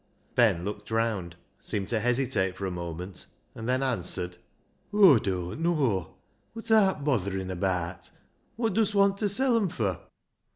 Ben looked round, seemed to hesitate for a moment, and then answered —" Aw durn't know ; wot art botherin' abaat ? Wot dust want to sell 'em fur